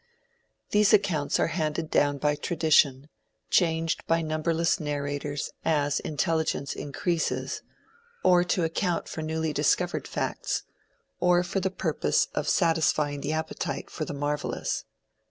These accounts are handed down by tradition, changed by numberless narrators as intelligence increases, or to account for newly discovered facts, or for the purpose of satisfying the appetite for the marvelous.